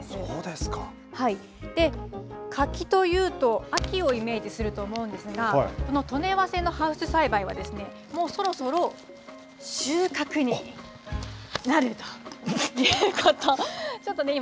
で、柿というと秋をイメージすると思うんですがこの刀根早生のハウス栽培はもうそろそろ収穫になるということちょっとね今。